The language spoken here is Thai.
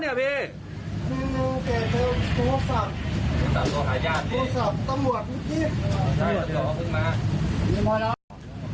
ใช่ตำรวจพี่